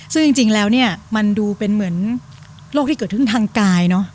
ซึ่งจริงแล้วเนี่ยมันดูเป็นเหมือนโรคที่เกิดขึ้นทางกายเนอะ